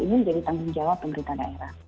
ini menjadi tanggung jawab pemerintah daerah